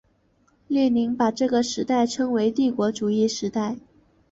列宁把这个时代称为帝国主义时代。